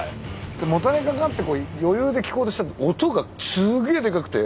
もたれかかって余裕で聴こうとしたら音がすげえでかくて。